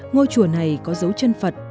ngôi chùa này có dấu chân phật